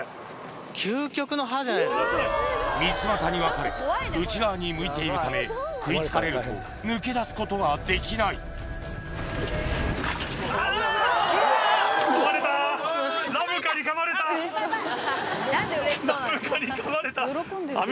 三つまたに分かれ内側に向いているため食い付かれると抜け出すことはできないラブカにかまれた！